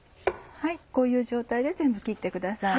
こういう状態で全部切ってください。